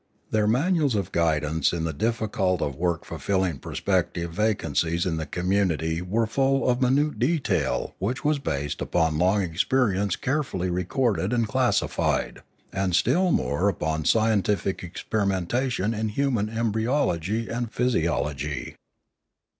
Their manuals of guidance in the difficult work of fill ing prospective vacancies in the community were full of minute detail which was based upon long experience carefully recorded and classified, and still more upon scientific experimentation in human embryology and physiology.